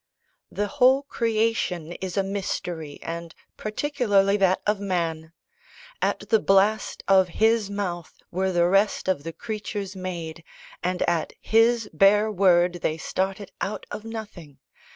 The whole creation is a mystery and particularly that of man. At the blast of His mouth were the rest of the creatures made, and at His bare word they started out of nothing.